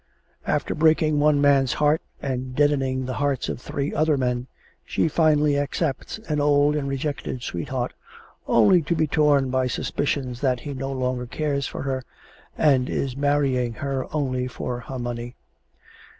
After breaking one man's heart and deadening the hearts of three other men, she finally accepts an old and rejected sweetheart, only to be torn by suspicions that he no longer cares for her and is marrying her only for her money.